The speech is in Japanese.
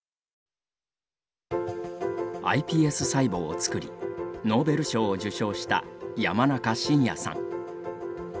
ｉＰＳ細胞を作りノーベル賞を受賞した山中伸弥さん。